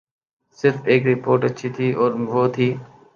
صرف ایک رپورٹ اچھی تھی اور وہ تھی۔